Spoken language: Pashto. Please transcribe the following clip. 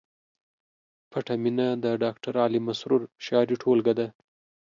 پټه مینه د ډاکټر علي مسرور شعري ټولګه ده